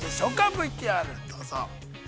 ＶＴＲ、どうぞ。